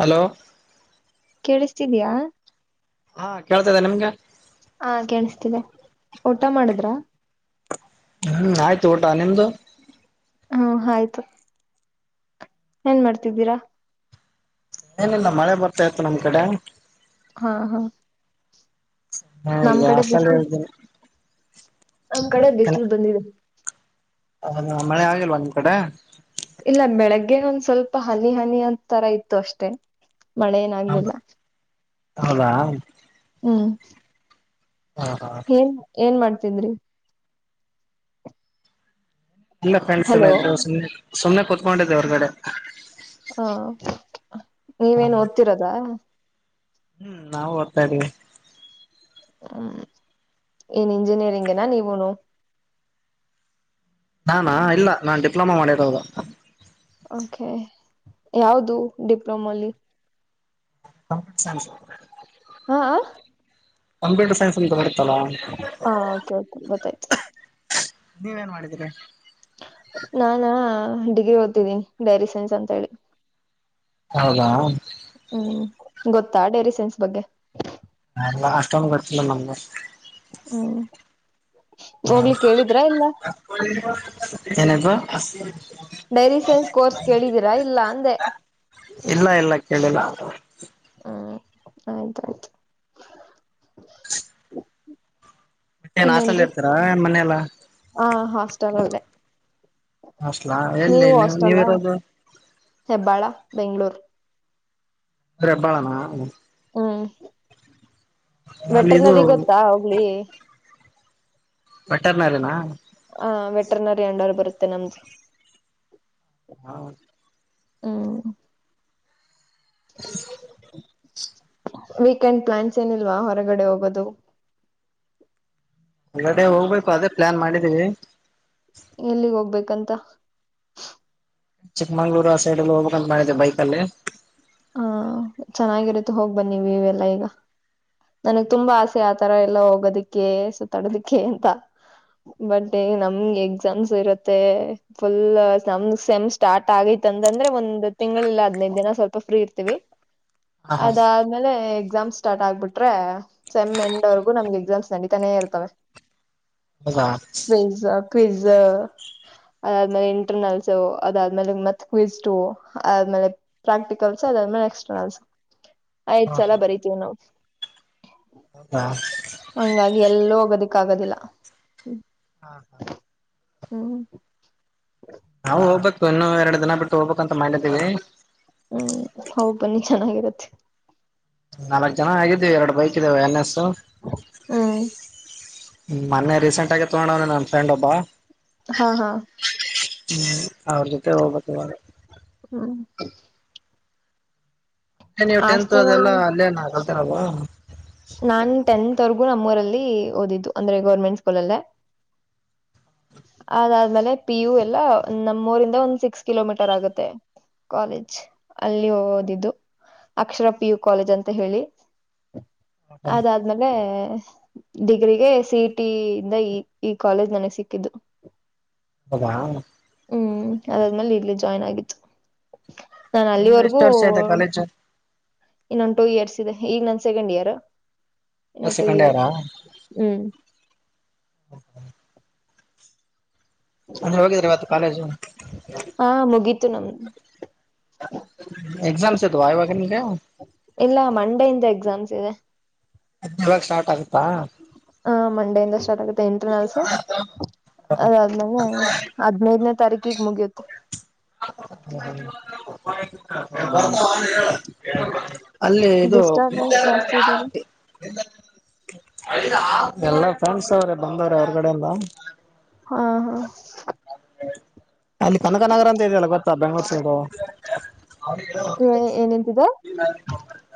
Hello ಕೇಳಿಸ್ತಿದಯಾ ಹಾ ಕೇಳ್ತದೆ ನಿಮ್ಗೆ ಹಾ ಕಣಿಸ್ತಿದೆ ಊಟ ಮಾಡುದ್ರಾ ಹ್ಮ್ ಆಯ್ತು ಊಟ ನಿಮ್ದು ಹ್ಮ ಆಯ್ತು ಏನ್ ಮಾಡ್ತಿದ್ದೀರಾ ಏನಿಲ್ಲ ಮಳೆ ಬರ್ತಾ ಇತ್ತು ನಮ್ ಕಡೆ ಹಾ ಹಾ ಹಾ ನಮ್ ಇಲ್ಲಿ ಕಡೆ ಹಾಸ್ಟೆಲ್ ಬಿಸಿಲು ಇದ್ದೀನಿ ನಮ್ ಕಡೆ ಬಿಸಿಲು ಬಂದಿದೆ ಹಾ ಮಳೆ ಆಗಲ್ವಾ ನಿಮ್ ಕಡೆ ಇಲ್ಲ ಬೆಳಗ್ಗೆ ಒಂದ್ ಸ್ವಲ್ಪ ಹನಿ ಹನಿ ಅ ತರ ಇತ್ತು ಅಷ್ಟೇ ಮಳೆ ಏನ್ಲಿಲ್ಲ ಹೌದಾ ಹ್ಮ್ ಹ ಹಾ ಏನ್ ಏನ್ ಮಾಡ್ತಿದ್ರಿ ಇಲ್ಲ ಫ್ರೆಂಡ್ಸ್ ಎಲ್ಲ ಹಲೋ ಇದ್ರು ಸುಮ್ಮನೆ ಸುಮ್ಮ್ನೆ ಕುೂತ್ಕೊಂಡಿದ್ದೆ ಅವ್ರಗಡೆ ಹಾ ನೀವೇನು ಓದ್ತಿರದಾ ಹ್ಮ್ ನಾವವು ಓರ್ತಾ ಇದ್ದೀವಿ ಹ್ಮ್ ಏನ್ ಇಂಜಿನಿಯರಿಂಗ್ ನಾ ನೀವುನು ನಾಾನಾ ಇಲ್ಲ ನಾು ಡಿಪ್ಲೊಮ ಮಾಡಿರದು ಓಕೆ ಯಾವದು ಡಿಪ್ಲೊಮಲ್ಲಿ ಹ ಹಾ [unintelligible] ಕಂಪ್ಯೂಟರ್ ಸೈನ್ಸ್ ಅಂತ ಬರುತ್ತಲ್ಲ ಹಾ ಓಕೆ ಓಕೆ ಗೊತ್ತಾಯ್ತು ನೀವ ನ್ ಮಾಡಿದೀರಿ [unintelligible] ನಾನ ಡಿಗ್ರಿ ಓದ್ತಿದ್ದೀನಿ ಡೈರಿ ಸೈನ್ಸ್ ಅಂತ ಹೇಳಿ ಹೌದಾ ಹ್ಮ್ ಗೊತ್ತಾ ಡೇರಿ ಸೈನ್ಸ್ ಬಗ್ಗೆ ಹ ಅಷ್ಟೊಂದು ಗೊತ್ತಿಲ್ಲ ನಮಗೂ ಹ್ಮ್ ಹೋಗ್ಲಿೇಳಿದ್ರಾ ಇಲ್ಲ ಎನಕ ಮೇರಿ ಸೈನ್ಸ್ ಕೋರ್ಸ್ ಕೇಳಿದೀರಾ ಇಲ್ಲ ಅಂದೆ ಇಲ್ಲ ಇಲ್ಲ ಕೇಳಿಲ್ಲ ಹ್ಮ್ ಆಯ್ತಾಯ್ತು [unintelligible] ಮತೇನು ಹಾಸ್ಟೆಲ್ ಇನ್ನೇನ್ರಿ ಏನ್ ಮನೇಲ ಹ ಹಾಸ್ಟೆಲ್ ಅಲ್ಲೇ ಅಸ್ಲಾ ನೀವು ಎಲ್ಲಿ ನೀ ಹಾಸ್ಟೆಲ್ಲ ನೀವರೋದು ಹೆಬ್ಬಾಳ ಬೆಂಗ್ಗಳೂರು ಹೆಬ್ಬಾಳಾನ ಹ್ಮ್ ಅಲ್ಲಿ ಇದು ವೆಟ್ರನರಿ ಗೊತ್ತಾ ಹೋಗ್ಲಿ ವೇಟ್ಟರ್ನಾರನಾ ಹ ವೆಟ್ರನರಿ ಅಂಡವ ಬರುತ್ತೆ ನಮ್ದು ಹೌ [unintelligible] ಹ್ಮ್ ವೀಕೆಂಡ್ ಪ್ಲಾನ್ಸ್ ಏನಿಲ್ವಾ ಹೊರಗಡೆ ಹೋಗದು ಇವತೆ ಹೋಗ್ಬೇಕು ಅದೇ ಪ್ಲಾನ್ ಮಾಡಿದೀವಿ ಎಲ್ಲಿಗ್ ಹೋಗ್ಬೇಕಂತ ಚಿಕ್ಕಮಂಗಗಳೂರು ಆ ಸೈಡ್ ಅಲ್ಲಿ ಹೋಗಬೇಕ ಅಂತ ಮಾಡಿದ್ದೆ ಬೈಕ್ ಅಲ್ಲಿ ಹಾ ಚೆನ್ನಾಗಿರುತ್ತು ಹೋಗ್ ಬನ್ನ ನೀವು ಇವೆಲ್ಲ ಈಗ ನನಗ್ ತುಂಬಾ ಆಸೆ ಆತರ ಎಲ್ಲ ಹೋಗೋದಿಕ್ಕೆ ಸುತ್ತಾಡೋದಿಕ್ಕೆ ಅಂತ ಬಟ್ ನಮ್ಗೆ ಎಕ್ಸಾಮ್ಸ್ ಇರುತ್ತೆ ಫುಲ್ ನಮ ಸೆಮ್ ಸ್ಟಾರ್ಟ್ ಆಗೈತ ಅಂತಂದ್ರೆ ಒಂದ್ ತಿಂಗಳಿಲ್ಲ ಹದನೈದ ದಿನ ಸ್ವಲ್ಪ ಫ್ರೀ ಇರ್ತೀವಿ ಹಾ ಹಾ ಅದ ಆಮೇಲೆ ಎಕ್ಸಾಮ್ಸ್ ಸ್ಟಾರ್ಟ್ ಆಗ್ಬಿಟ್ರೆ ಸೆಮ್ ಎಂಡ್ ವರೆಗೂ ನಮ್ಗೆ ಎಕ್ಸಾಮ್ಸ್ ನಡೀತಾನೆ ಇರ್ತವೆ ಹೌದಾ ಪಿಜಜಾ ಕೃವಿಜ್ಜ [unintelligible] ಅದಾದ್ಮೇಲೆ ಇಂಟರ್ನಲ್ಸ್ ಅದಾದ್ಮೇಲೆ ಮತ್ತ ಕ್ವಿಸ ಆದ್ಮೇಲೆ ಪ್ರಾಕ್ಟ ಕಲ್ಸ ಅದಾದ್ಮೇಲೆ ನೆಕ್ಸ್ಟ್ಲ್ಸ ಆಯ್ತ್ ಹಾ ಸಲ ಬರಿತೀವಿ ನಾವು ಹಾ ಹಂಗಾಗಿ ಎಲ್ಲೋ ಹೋಗೋದಕ್ಕ ಆಗದಿಲ್ಲ್ಮ ಹಾ ಹಾ ಹ್ಮ್ ನಾವು ಹೋಗ್ಬೇಕು ಇನ್ನು ಎರಡು ದಿನ ಬಿಟ್ಟು ಹೋಗ್ಬೇಕು ಅಂತ ಮಾಡಿದ್ದೀವಿ ಹ್ಮ್ ಹೋಗ್ ಬನ್ನಿ ಚೆನ್ನಾಗಿರತ್ತೆ ನಾಲ್ಕ್ ಜನ ಆಗಿದ್ದೀವಿ ಎರಡು ಬೈಕ್ ಇದ್ದವೆ ಎನ್ ಎಸ್ ಹ್ಮ್ ಮೊನೇ ರೀಸೆಂಟ್ ಆಗ ತಗೊಂಡವ ನನ್ನ ಫ್ರೆಂಡ್ ಒಬ್ಬ ಹಾ ಹಾ ಹ್ಮ್ ಅವ್ರ ಜೊತೆ ಹೋಗ್ತ್ತ ಇವಾಗ ಹಾ ನೀವು್ ಟೆಂತ್ ಹಾಸ್ಟೆಲ್ ಅದೆಲ್ಲ ಅಲ್ಲಿ ಅಲ್ಲೇನ ಕಲ್ತರ ನಾನ್ ಟೆಂತ್ವರೆಗೂ ನಮ್ಮೂರಲ್ಲಿ ಓದಿದ್ದು ಅಂದ್ರೆ ಗೌರ್ಮೆಂಟ್ ಸ್ಕೂಲ್ ಅಲ್ಲೇ ಅದಾದ್ಮೇಲೆ ಪಿ ಯು ಎಲ್ಲಾ ನಮ್ಮ್ ಊರಿಂದ ಒಂದ್ ಸಿಕ್ಸ್ ಕಿಲೋಮೀಟರ್ ಆಗುತ್ತೆ ಕಾಲೇಜ್ ಅಲ್ಲಿ ಓದಿದ್ದು ಅಕ್ಷರ ಪಿ ಯು ಕಾಲೇಜ್ ಅಂತ ಹೇಳಿ ಅದ ಅ ಆದ್ಮೇಲೆ ಡಿಗ್ರಿಗೆ ಸಿ ಇ ಟಿ ಇಂದ ಈ ಈ ಕಾಲೇಜ್ ನನಗೆ ಸಿಕ್ಕಿದ್ದು ಅದಾ ಹ್ಮ್ ಅದಾದ್ಮೇಲೆ ಇಲ್ಲಿ ಜಾಯ್ನ್ ಆಗಿತ್ತು ನಾನು ಇನ್ನು ಎಷ್ಟು ಅಲ್ಲಿವರೆಗೂ ವರ್ಷ ಇದೆ ಕಾಲೇಜು ಇನ್ನೊಂದು ಟೂ ಇಯರ್ಸ್ ಇದೆ ಈಗ ನನ್ ಸೆಕೆಂಡ್ ಇಯರ್ ಇನ್ನೊಂದು ಟು ಸೆಕೆಂಡ್ ಇಯರ್ ಇಯರಾ ಹ್ಮ್ ಅ ಹೋಗಿದ್ರ ಇವತ್ತು ಕಾಲೇಜ್ ಹಾ ಮುಗೀತು ನಮ್ದು ಎಗ್ಜಾಮಸ ಇದುವ ಇವಾಗ ನಿಮ್ಮಗೆ ಇಲ್ಲ ಮಂಡೇ ಇಂದ ಎಕ್ಸಾಮ್ಸ್ ಇದೆ ಹದನೈಳಕ ಸ್ಟಾರ್ಟ್ ಆಗುತ್ತಾ ಹಾ ಮಂಡೆಯಿಂದ ಸ್ಟಾರ್ಟ್ ಆಗುತ್ತೆ ಇಂಟ್ರ ನಲ್ಸು ಅದಾದ್ಮೇಲೆ ಹದ್ದನೈದ ತಾರೀಕಿಗೆ ಮುಗಿಯುತ್ತೆ ಹ ಹ್ಮ್ ಬ ಅಲ್ಲಿ ಇದು ಡಿಸ್ಟರ್ಬೆನ್ಸ್ ಜಾಸ್ತಿ ಇದೆಲ್ಲ ಎಲ್ಲಾ ಫ್ರೆಂಡ್ಸ್ ಅವ್ರೆ ಬಂದವ್ರೆ ಹೊರಗಡೆ ಇಂದ ಹಾ ಹಾ ಅಲ್ಲಿ ಕನಕನಗರ ಅಂತ ಇದೆಯಲ್ಲ ಗೊತ್ತಾ ಬೆಂಗ್ಳೂರ್ ಸೈಡು ಏನಂತಿದೆ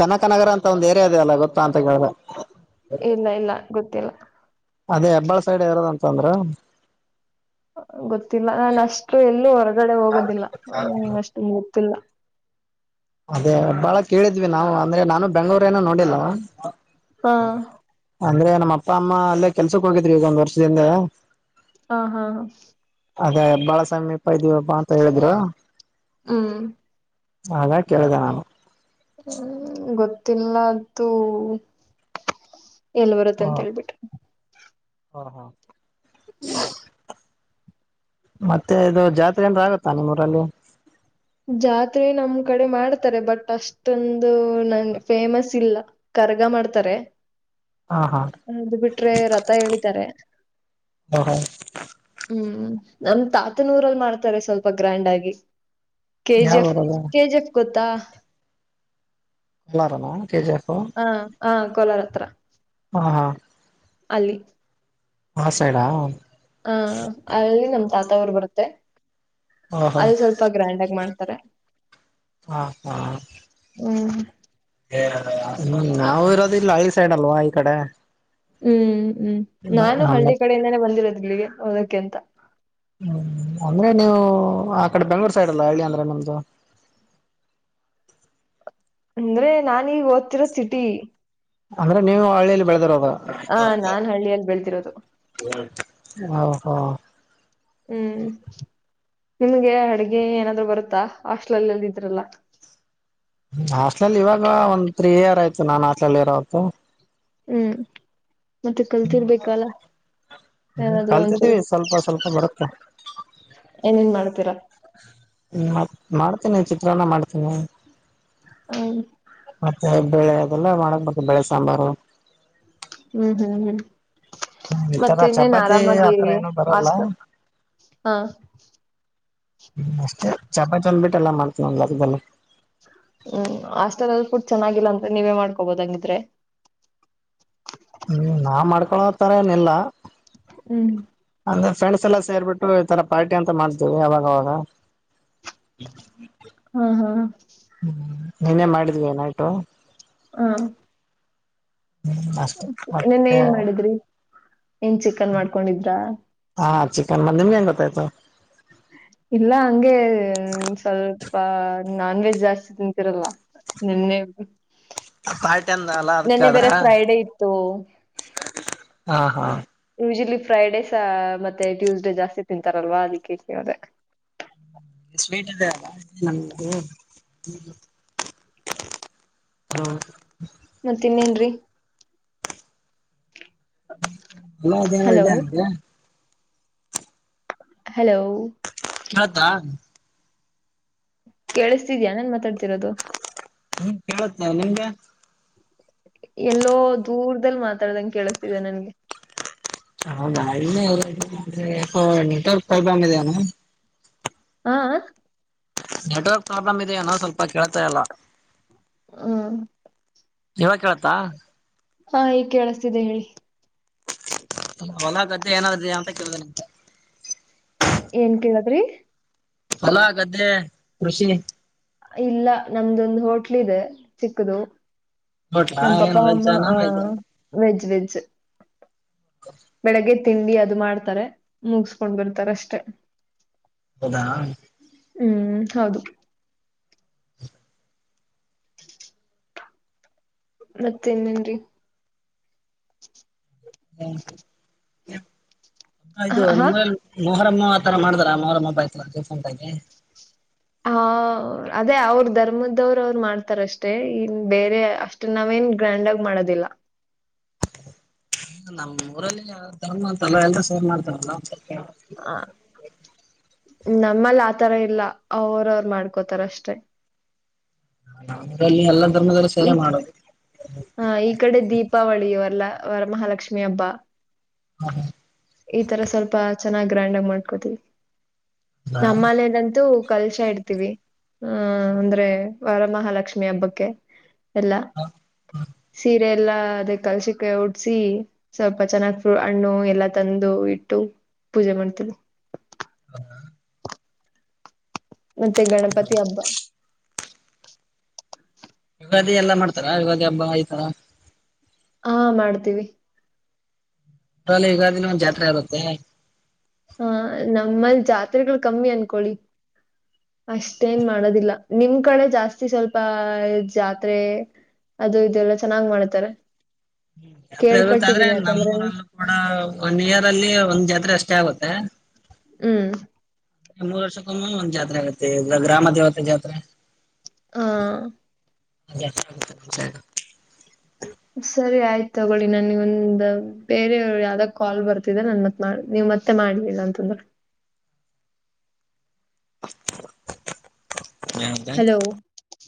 ಕನಕನಗರ ಅಂತ ಒಂದ್ ಏರಿಯಾ ಇದೆ ಅಲ್ಲ ಗೊತ್ತಾ ಅಂತ ಕೇಳಿದ್ರೆ ಇಲ್ಲ ಇಲ್ಲ ಗೊತ್ತಿಲ್ಲ ಅದೇ ಹೆಬ್ಬಾಳ ಸೈಡ್ ಇರೋದ ಅಂತ ಅಂದ್ರ ಗೊತ್ತಿಲ್ಲ ನಾನ ಅಷ್ಟು ಎಲ್ಲೂ ಹೊರಗಡೆ ಹೋಗೋದಿಲ್ಲ ಅಷ್ಟು ಗೊತ್ತಿಲ್ಲ ಅದೇ ಬಾಳ ಕೇಳಿದ್ವಿ ನಾವು ಅಂದ್ರೆ ನಾನು ಬೆಂಗಳೂರ ಏನ ನೋಡಿಲ್ವಾ ಹಾ ಅಂದ್ರೆ ನಮ್ಮ್ ಅಪ್ಪ ಅಮ್ಮ ಅಲ್ಲೇ ಕೆಲ್ಸಕ್ ಹೋಗಿದ್ರಿ ಈಗ ಒಂದ್ ವರ್ಷದಿಂದ ಹಾ ಹಾ ಹ ಅದೇ ಬಾಳ ಸಮೀಪ ಇದೀವಿಬ್ಬಾ ಅಂತ ಹೇಳಿದ್ರು ಹ್ಮ್ ಅದಾ ಕೇಳಿದೆ ನಾನು ಹ್ಮ್ ಗೊತ್ತಿಲ್ಲ್ಎಲ್ ಬರುತ್ತೆ ಹ ಅಂತ ಹೇಳ್ಬಿಟ್ರಿ ಹಾ ಹಾ ಮತ್ತೆ ಇದು ಜಾತ್ರೆ ಅಂದ್ರೆ ಆಗತ್ತಾ ನಿಮ್ಮೂಊರಲ್ಲಿ ಜಾತ್ರೆ ನಮ್ ಕಡೆ ಮಾಡ್ತಾರೆ ಬಟ್ ಅಷ್ಟೊಂದು ನನ್ ಫೇಮಸ್ ಇಲ್ಲ ಕರ್ಗ ಮಾಡ್ತಾರೆ ಹಾ ಹಾ ಹ ಅದು ಬಿಟ್ರೆ ರಥ ಹೇಳಿತಾರೆ ಹಾ ಹಾ ಹ್ಮ್ ನಮ ತಾತನೂಊರಲ್ಲಿ ಮಾಡ್ತಾರೆ ಸ್ವಲ್ಪ ಗ್ರ್ಯಾಂಡ್ ಆಗಿ ಕೆ ಜಿ ಯಾವ ಎಫ್ ಊರದು ಕೆ ಜಿ ಎಫ್ ಗೊತ್ತಾ ಎಲ್ಲರಣ ಕೆಜಿ ಆಫು ಹಾ ಹಾ ಕೋಲಾರ ಹತ್ರ ಹಾ ಹಾ ಅಲ್ಲಿ ಆ ಸೈಡ ಹಾ ಅಲ್ಲಿ ನಮ ತಾತ ಅವರು ಬರುತ್ತೆ ಓಹೋ ಅದು ಸ್ವಲ್ಪ ಗ್ರ್ಯಾಂಡ್ ಆಗ ಮಾಡ್ತಾರೆ ಹಾ ಹಾ ಹ್ಮ್ ಹ್ಮ್ ನಾವ ಇರೋದಿಲ್ಲ ಹಳ್ಳಿಈ ಸೈಡ್ ಅಲ್ವಾ ಈ ಕಡೆ ಹ್ಮ್ ಹ್ಮ್ ನಾನು ನಮ್ಮ ಹಳ್ಳಿ ಕಡೆಯಿಂದಾನೇ ಬಂದಿರೋದು ಇಲ್ಲಿಗೆ ಓದಕ್ಕೆಂತ ಹ್ಮ್ ಅಂದ್ರೆ ನೀವು ಆ ಕಡೆ ಬೆಂಗ್ಳೂರ್ ಸೈಡ್ ಅಲ್ಲ ಹೇಳಳ್ಳಿ ಅಂದ್ರೆ ನಮ್ದು ಅಂದ್ರೆ ನಾನೀಗ ಓದ್ತಿರೋ ಸಿಟಿ ಅಂದ್ರೆ ನೀವು ಹಳ್ಳಿಯಲ್ಲಿ ಬೆಳೆದಿರೋದು ಹಾ ನಾನ್ ಹಳ್ಳಿಯಲ್ಲಿ ಬೆಳದಿರೋದು ಓಹೋ ಹ್ಮ್ ನಿಮ್ಗೆ ಅಡ್ಗೆ ಏನಾದ್ರು ಬರುತ್ತಾ ಹಾಸ್ಟಲಲ್ ಎಲ್ಲ ಇದ್ರಲ್ಲ ಹಾಸ್ಟ್ಲಿ ಇವಾಗ ಒಂದು ತ್ರೀ ಇಯರ್ ಆಯತು ನನ್ ಹಾಸ್ಟ್ಲ ಇರೋ ಹೊತ್ತು ಹ್ಮ್ ಮತ್ತೆ ಕಲ್ತಿರ್ಬೇಕಲ್ಲ ಹ್ಮ್ ಏನಾದ್ರು ಒಂಚೂರು ಕಲ್ತಿದ್ದೀವಿ ಸ್ವಲ್ಪ ಸ್ವಲ್ಪ ಬರುತ್ತೆ ಏನೇನ್ ಮಾಡ್ತೀರಾ ಮಾಡ್ತೇನಿ ಚಿತ್ರಾನ್ನ ಮಾಡ್ತೀನಿ ಹ್ಮ ಮತ್ತೆ ಬೆಳೆ ಅದೆಲ್ಲ ಮಾಡಕ್ ಬು ಬೆಳೆ ಸಾಂಬಾರು ಹ್ಮ್ ಹ್ಮ್ ಹ್ಮ್ ಈತರ ಮತ್ತೆ ಇನ್ನೇನ್ ಚಪಾತಿ ಆರಾಮ್ ಆತರ ಅದೀವಿ ಏನು ಬರಲ್ಲ ಹಾ ಅಷ್ಟೇ ಚಪಾತಿ ಒಂದು ಬಿಟ್ಟ ಎಲ್ಲ ಮಾಡ್ತನಿ ಇನ್ಯಾವುದೂ ಬರಲ್ಲ ಹ್ಮ್ ಹ ಆಸ್ಟೆಲ್ ಅಲ್ಲಿ ಫುಡ್ ಚೆನ್ನಾಗಿಲ್ಲ ಅಂದ್ರೆ ನೀವೇ ಮಾಡ್ಕೋಬೋದ ಹಂಗಿದ್ರೆ ಹ್ಮ್ ನಾ ಮಾಡ್ಕೊಳ ಹತಾರನೆಲ್ಲಾ ಹ್ಮ್ ಅಂದ್ರೆ ಫ್ರೆಂಡ್ಸ್ ಎಲ್ಲ ಸೇರ್ಬಿಟ್ಟು ಈ ತರ ಪಾರ್ಟಿ ಅಂತ ಮಾಡ್ತೀವಿ ಅವಾಗವಾಗ ಹಾ ಹಾ ನೀನೇ ಮಾಡಿದ್ವಿ ನೈಟು.. ಹ... ಹ್ಮ್ ಅಷ್ಟೇ ಹ ನಿನ್ನೆ ಮತ್ತೆ ಏನ್ ಮಾಡಿದ್ರಿ ಏನ್ ಚಿಕನ್ ಮಾಡ್ಕೊಂಡಿದ್ರಾ... ಹಾ ಚಿಕನ್ ಮಾಡಿ ನಿಮ್ಗೆಂಗ ಗೊತ್ತಾಯ್ತು.. ಇಲ್ಲ ಹಂಗೆ ಸ್ವಲ್ಪ ಆ ನಾನ್ ವೆಜ್ ಜಾಸ್ತಿ ತಿಂತಿರಲ್ಲ... ನಿನ್ನೆ ಪಾರ್ಟಿ ಅಂದನಲ್ ಎಲ್ಲ ಅದಕ ನಿನ್ನೆ ಕೇಳಿದ್ರ ಬೇರೆ ಫ್ರೈಡೆ ಇತ್ತು ಹಾ ಹಾ ಯೂಶಲಿ ಫ್ರೈಡೇಸ್ ಮತ್ತೆ ಟ್ಯೂಸ್ಡೇ ಜಾಸ್ತಿ ತಿಂತಾರಲ್ವಾ ಅದಕ್ಕೆ ಕೇಳಿದೆ ಸ್ವೀಟ್ ಇದೆ ನಮ್ದು [inaudible] ಹಲೋ ಮತ್ತ ಇನ್ನೇನ್ರಿ.... ಹದ ಹಲೋ ಇದೆ [inaudible] ಹಲೋ...... ಅತ್ತಾ ಕೇಳಿಸ್ತಿದ್ಯಾ ನಾನ್ ಮಾತಾಡ್ತಿರೋದು... ಹ್ಮ್ [unintelligible] ನಿಮಗೆ ಎಲ್ಲೋ ದೂರದಲ್ಲಿ ಮಾತಾಡ್ದಂಗ ಕೇಳಿಸತಿದೆ ನನ್ಗೆ... ಹೌದಾ [unintelligible] ಇನ್ನ ನೆಟ್ವರ್ಕ್ ಪ್ರಾಬ್ಲಮ್ ಇದೇನ ಹಾ..... ನೆಟ್ವರ್ಕ್ ಪ್ರಾಬ್ಲಮ್ ಇದೆ ಏನೋ ಸ್ವಲ್ಪ ಕೇಳ್ತಾ ಇಲ್ಲಾ... ಹ್ಮ..... ಇವಾಗ ಕೇಳುತ್ತಾ..... ಹಾ ಈಗ ಕೇಳಿಸ್ತಿದೆ ಹೇಳಿ.... ಹೊಲ ಗದ್ದೆ ಏನರ ಇದ್ಯ ಅಂತ ಕೇಳ್ದೇನೆ ನಿಮ್ಗ್ ಏನ್ ಕೇಳದ್ರಿ...... ಹೊಲ ಗದ್ದೆ ಕೃಷಿ.... ಇಲ್ಲ ನಮ್ಮದೊಂದು ಹೋಟ್ಲ್ ಇದೆ ಚಿಕ್ಕದು. ನೋಟ್ಲಾ ನಮ್ಮ ಏನ್ ಪಪ್ಪಾ ವೆಜ್ ಅಮ್ಮ ಆ ನಾನ್ ವೆಜ್ ವೆಜ್ ವೆಜ್.... [unintelligible] ಬೆಳಿಗ್ಗೆ ತಿಂಡಿ ಅದು ಮಾಡ್ತಾರೆ ಮುಗಸ್ಕೊಂಡ್ ಬಿಡತಾರೆ ಅಷ್ಟೆ ಹೌದಾ..... ಹ್ಮ್ ಹೌದು. ಮತ್ಇನಏನ್ರೀ ಹ ಹ ಅದು ಹ ನಿ [inaudible] ಮೊಹರಂ ಆ ತರ ಮಾಡತರ ಮೊಹರಂ ಬಯತಫೋನ್ದಾಗೆ [unintelligible] ಹ ಅದೇ ಅವ್ರ ಧರ್ಮದವರು ಅವ್ರು ಮಾಡ್ತಾರ ಅಷ್ಟೇ ಇನ್ ಬೇರೆ ಅಷ್...... ಅದ ನಾವೇನ್ ಗ್ರ್ಯಾಂಡ್ ಆಗ ಮಾಡದಿಲ್ಲ..... ನಮ್ಮ ಊರಲ್ಲಿ ಧರ್ಮ ಅಂತ ಎಲ್ಲರ ಸೇರಿ ಮಾಡ್ತಾರ ಅಲ್ಲಾ ಅದಕ್ಕೆ ಕೇಳ್ದೆ ಹ ನಮ್ಮಲ್ಲಿ ಆತರ ಇಲ್ಲ ಅವರ ಅವರು ಮಾಡ್ಕೋತಾರ ಅಷ್ಟೇ.. ನಮ ಊರಲ್ಲಿ ಎಲ್ಲಾ ಧರ್ಮದರ ಸೇರೆ ಮಾಡೋದು. ಹ ಈ ಕಡೆ ದೀಪಾವಳಿ ಇವೆಲ್ಲ ವರಮಹಾಲಕ್ಷ್ಮಿ ಹಬ್ಬ ಹಾ... ಈ ತರ ಸ್ವಲ್ಪ ಚೆನ್ನಾಗ್ ಗ್ರ್ಯಾಂಡ್ ಆಗಿ ಮಾಡ್ಕೊತವಿ... ನಮ್ಮನೆಲಂತೂ ಕಲ್ಶಾ ಇಡ ತಿವೆ ಹ ಅಂದ್ರೆ ವರಮಹಾಲಕ್ಷ್ಮಿ ಹಬ್ಬಕ್ಕೆ ಎಲ್ಲಾ ಸಿ ಎಲ್ಲಾ ಅದೇ ಕಳಸಿಕೆ ಉಡ್ಸಿ ಸ್ವಲ್ಪ ಚೆನ್ನಾಗ್ ಹಣ್ಣು ಎಲ್ಲಾ ತಂದು ಇಟ್ಟು ಪೂಜೆ ಮಾಡ್ತಿನಿ ಹ [unintelligible] ಮತ್ತೆ ಗಣಪತಿ ಹಬ್ಬ. ಯುಗಾದಿ ಎಲ್ಲಾ ಮಾಡ್ತಾರ ಯುಗಾದಿ ಹಬ್ಬ ಈತರ ಹಾ ಮಾಡ್ತೀವಿ ಅಲ್ಲೆ ಯುಗಾದಿನೂ ಒಂದ್ ಜಾತ್ರೆ ಆಗುತ್ತೆ. ಹಾ ನಮ್ಮಲ್ಲಿ ಜಾತ್ರೆಗಳು ಕಮ್ಮಿ ಅನ್ಕೊಳ್ಳಿ. ಅಷ್ಟೇನ್ ಮಾಡೋದಿಲ್ಲ ನಿಮ್ ಕಡೆ ಜಾಸ್ತಿ ಸ್ವಲ್ಪ ಜಾತ್ರೆ ಅದು ಇದೆಲ್ಲ ಚೆನ್ನಾಗ್ ಮಾಡ್ತಾರೆ. ಹ್ಮ್ ಜಾತ್ರೆ ಆಗುತ್ತೆ ಆದ್ರೆ ಕೇಳ್ಪಟ್ಟಿದ್ದೀನಿ ಯಾಕಂದ್ರೆ ನಮ್ಮೂರಲ್ಲೂ ಕೂಡ ಒನ್ ಇಯರ್ ಅಲ್ಲಿ ಒಂದ್ ಜಾತ್ರೆ ಅಷ್ಟೇ ಆಗುತ್ತೆ. ಹ್ಮ್ ಮೂರು ವರ್ಷಕ್ಕೊಮ್ಮೆ ಒಂದು ಜಾತ್ರೆ ಆಗುತ್ತೆ ಗ್ರಾಮ ದೇವತೆ ಜಾತ್ರೆ. ಹಾ ಅ [unintelligible] ಸರಿ ಆಯ್ತು ತಗೊಳ್ಳಿ ನನ್ಗ್ ಒಂದು ಬೇರೆ ಯಾವುದೋ ಕಾಲ್ ಬರ್ತಿದೆ ನನ್ ಮತ್ ಮಾಡ ನೀವ್ ಮತ್ತೆ ಮಾಡ್ಲಿಲ್ಲ ಅಂತಂದೆ [unintelligible] ಹಲೋ